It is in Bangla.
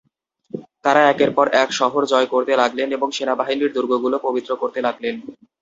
তারা একের পর এক শহর জয় করতে লাগলেন এবং সেনাবাহিনীর দূর্গগুলো পবিত্র করতে লাগলেন।